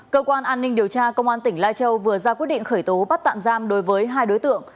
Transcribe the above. cơ quan an ninh điều tra công an tỉnh lai châu vừa ra quyết định khởi tố bắt tạm giam đối với hai đối tượng